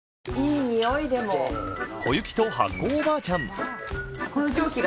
「小雪と発酵おばあちゃん」。